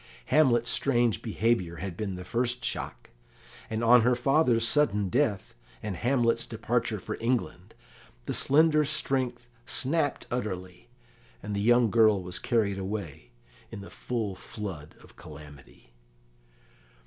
Hamlet's strange behaviour had been the first shock, and on her father's sudden death, and Hamlet's departure for England, the slender strength snapped utterly, and the young girl was carried away in the full flood of calamity.